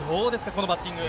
このバッティング。